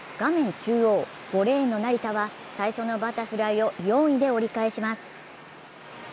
中央、５レーンの成田は最初のバタフライを４位で折り返します。